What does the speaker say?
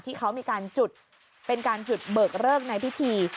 ที่เขามีการจุดเป็นการจุดเบิกเลิกในพิธี